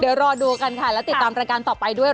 เดี๋ยวรอดูกันค่ะแล้วติดตามรายการต่อไปด้วย